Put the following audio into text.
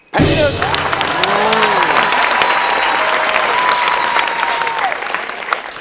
แผ่นที่๑